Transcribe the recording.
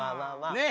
ねえ。